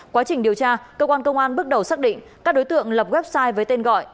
quá trình điều tra cơ quan công an bước đầu xác định các đối tượng lập website với tên gọi